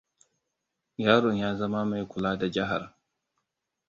Yaron ya zama mai kula da jihar.